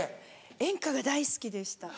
演歌が大好きでした。